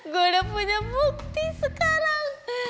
gue udah punya bukti sekarang